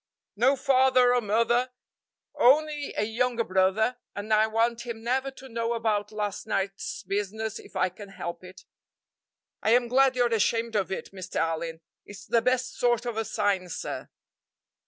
"No father or mother, only a younger brother, and I want him never to know about last night's business if I can help it." "I am glad you're ashamed of it, Mr. Allyn. It's the best sort of a sign, sir."